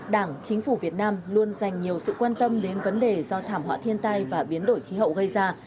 đảng chính phủ việt nam luôn dành nhiều sự quan tâm đến vấn đề do thảm họa thiên tai và biến đổi khí hậu gây ra